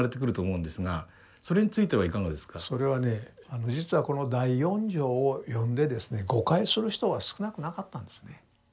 あの実はこの第四条を読んでですね誤解する人は少なくなかったんですね。